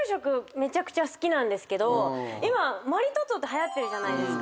めちゃくちゃ好きなんですけど今マリトッツォってはやってるじゃないですか。